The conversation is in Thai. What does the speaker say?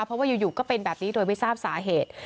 เพราะว่าอยู่ก็เป็นแบบนี้โดยไม่ทราบสาเหตุ